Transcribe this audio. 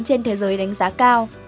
trên thế giới đánh giá cao